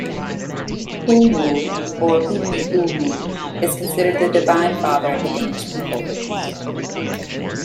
"Hulmul" or Humli-Hulmul, is considered the divine father of the Danish people.